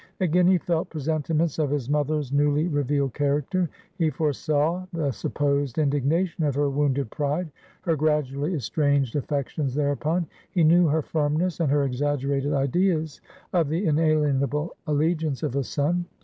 Again he felt presentiments of his mother's newly revealed character. He foresaw the supposed indignation of her wounded pride; her gradually estranged affections thereupon; he knew her firmness, and her exaggerated ideas of the inalienable allegiance of a son.